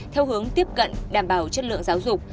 theo hướng tiếp cận đảm bảo chất lượng giáo dục